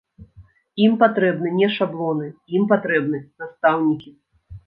Ім патрэбны не шаблоны, ім патрэбны настаўнікі.